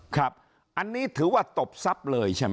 ครับอันนี้ถือว่าตบทรัพย์เลยใช่ไหม